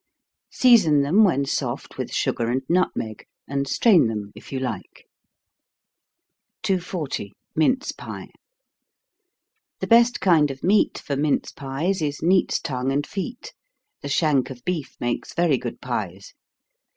Season them, when soft, with sugar and nutmeg, and strain them if you like. 240. Mince Pie. The best kind of meat for mince pies is neat's tongue and feet the shank of beef makes very good pies.